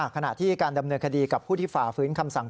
ขณะที่การดำเนินคดีกับผู้ที่ฝ่าฟื้นคำสั่ง